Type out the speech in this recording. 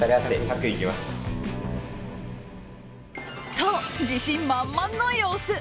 と、自信満々の様子。